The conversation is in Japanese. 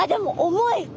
重い！